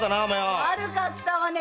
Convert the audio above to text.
悪かったわね